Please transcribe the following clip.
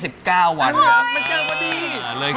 มันจะวันเลย